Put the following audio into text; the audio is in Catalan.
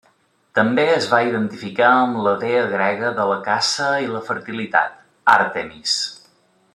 També es va identificar amb la dea grega de la caça i la fertilitat, Àrtemis.